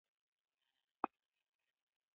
خورا جرار وو او احادیث یې ویل.